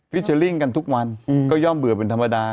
เชอรี่กันทุกวันก็ย่อมเบื่อเป็นธรรมดา